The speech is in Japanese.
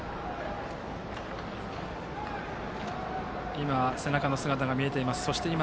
今、背中の姿が見えています。